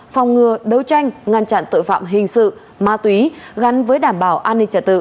phòng ngừa đấu tranh ngăn chặn tội phạm hình sự ma túy gắn với đảm bảo an ninh trả tự